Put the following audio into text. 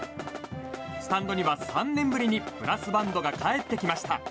スタンドには３年ぶりにブラスバンドが帰ってきました。